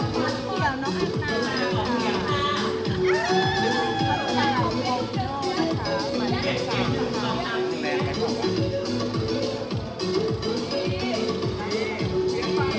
มันเป็นที่สุดท้ายมากแต่นั่นคือขนาดสุดท้าย